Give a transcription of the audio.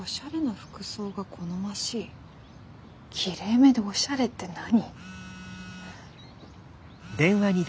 きれいめでおしゃれって何？